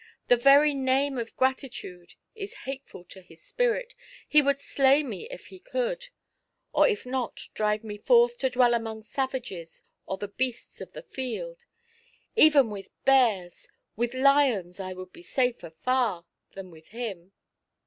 The very name of Gratitude is hateful to his spirit, he would slay me if he could ; or if not, drive me forth to dwell among savages or the beasts of the field. Even with bears — with lions I would be safer far than with him